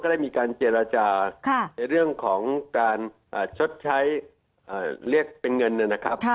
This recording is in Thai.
ได้มีการเจรจาในเรื่องของการชดใช้เรียกเป็นเงินนะครับ